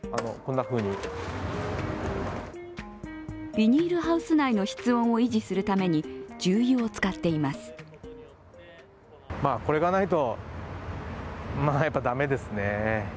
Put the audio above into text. ビニールハウス内の室温を維持するために重油を使っています。